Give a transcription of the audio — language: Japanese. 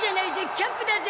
キャンプだぜ！